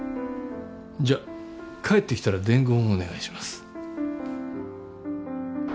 じゃあ帰ってきたら伝言をお願いします。